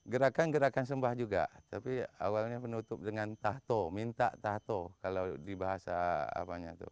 gerakan gerakan sembah juga tapi awalnya penutup dengan tahto minta tato kalau di bahasa apanya itu